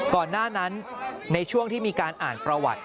ก่อนหน้านั้นในช่วงที่มีการอ่านประวัติ